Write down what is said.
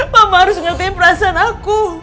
mama harus ngerti perasaan aku